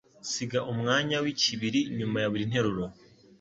Siga umwanya wikibiri nyuma ya buri nteruro.